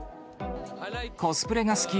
コスプレが好き。